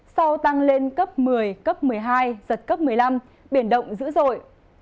sau tăng lên cấp một mươi cấp một mươi hai giật cấp một mươi năm biển động dữ dội